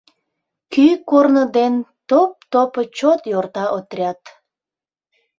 Кӱ корно ден топ-топо Чот йорта отряд.